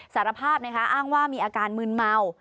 สารภาพนะคะอ้างว่ามีอาการมืนเมา